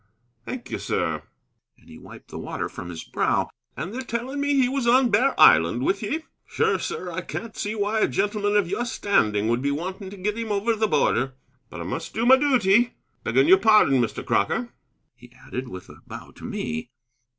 Thank you, sir." And he wiped the water from his brow. "And they're telling me he was on Bear Island with ye? Sure, sir, and I can't see why a gentleman of your standing would be wanting to get him over the border. But I must do my duty. Begging your pardon, Mr. Crocker," he added, with a bow to me.